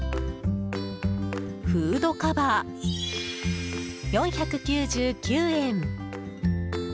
フードカバー、４９９円。